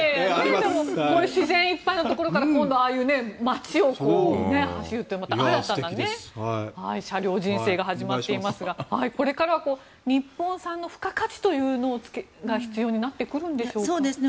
でも自然いっぱいなところから今度はああいう街を走るってまた新たな車両人生が始まっていますがこれからは日本産の付加価値というのが必要になってくるんでしょうか。